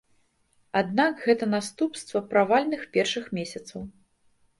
Аднак гэта наступства правальных першых месяцаў.